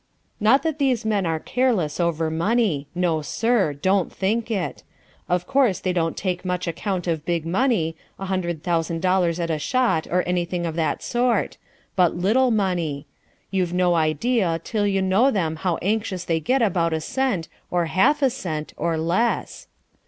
Not that these men are careless over money. No, sir. Don't think it. Of course they don't take much account of big money, a hundred thousand dollars at a shot or anything of that sort. But little money. You've no idea till you know them how anxious they get about a cent, or half a cent, or less.